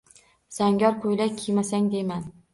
Zangor ko‘ylak kiymasang deyman